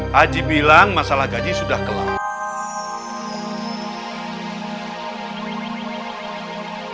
haji bilang masalah gaji sudah kelar